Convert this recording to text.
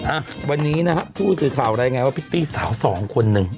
อ่ะวันนี้นะฮะผู้สื่อข่าวรายงานว่าพิตตี้สาวสองคนหนึ่ง